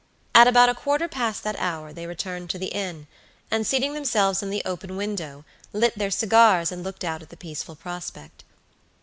At about a quarter past that hour they returned to the inn, and seating themselves in the open window, lit their cigars and looked out at the peaceful prospect.